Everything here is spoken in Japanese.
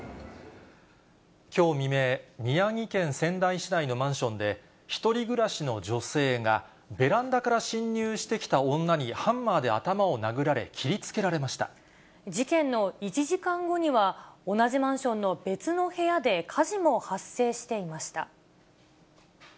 きょう未明、宮城県仙台市内のマンションで、１人暮らしの女性が、ベランダから侵入してきた女にハンマーで頭を殴られ、切りつけら事件の１時間後には、同じマンションの別の部屋で火事も発生していました。